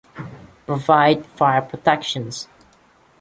Provide fire protection.